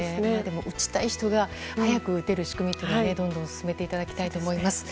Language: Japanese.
打ちたい人が早く打てる仕組みをどんどん進めていただきたいと思います。